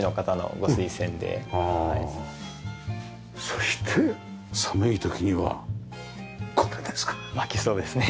そして寒い時にはこれですか？